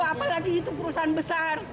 apalagi itu perusahaan besar